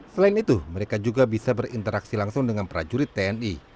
selain itu mereka juga bisa berinteraksi langsung dengan prajurit tni